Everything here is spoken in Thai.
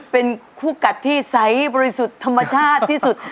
เป็นคู่กัดที่ใสบริสุทธิ์ธรรมชาติที่สุด